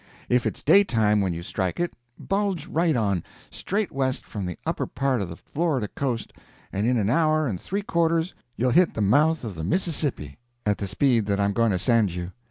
If it's daytime when you strike it, bulge right on, straight west from the upper part of the Florida coast, and in an hour and three quarters you'll hit the mouth of the Mississippi—at the speed that I'm going to send you.